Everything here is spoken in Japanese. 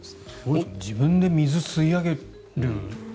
自分で水を吸い上げる。